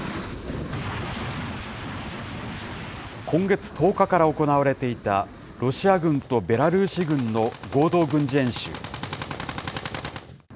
今月１０日から行われていた、ロシア軍とベラルーシ軍の合同軍事演習。